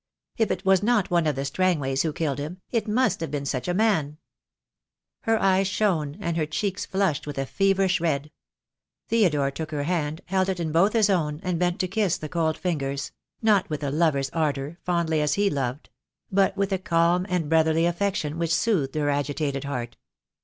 If it was not one of the Strangways who killed him, it must have been such a man." Her eyes shone, and her cheeks flushed with a feverish red. Theodore took her hand, held it in both his own, and bent to kiss the cold fingers — not with a lover's ardour, fondly as he loved; but with a calm and brotherly affection which soothed her agitated heart.